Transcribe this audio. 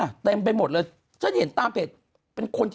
ลูกคนที่สองมาเป็นอีกได้ยังไงอืมคนเริ่มงงสักพักหนึ่งถึงต้องบอกว่า